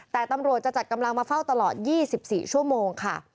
แต่ตำรวจจะจัดกำลังมาเฝ้าตลอด๒๔ชั่วโมงค่ะ